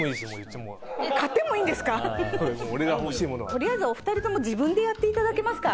取りあえずお２人とも自分でやっていただけますか？